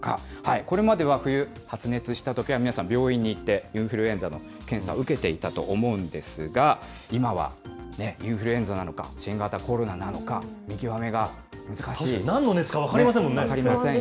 これまでは冬、発熱したときは、皆さん、病院に行って、インフルエンザの検査、受けていたと思うんですが、今はインフルエンザなのか、新型コロナなのか、見極めなんの熱か分かりませんもん